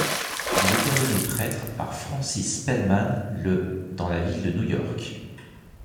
Il est ordonné prêtre par Francis Spellman le dans la ville de New York.